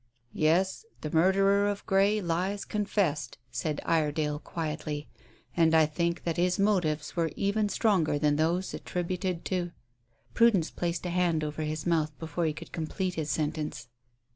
"Yes, the murderer of Grey lies confessed," said Iredale quietly, "and I think that his motives were even stronger than those attributed to " Prudence placed a hand over his mouth before he could complete his sentence.